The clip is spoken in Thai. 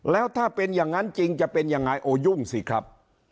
แล้วถ้าเป็นอย่างนั้นจริงจะเป็นยังไงโอ้ยุ่งสิครับ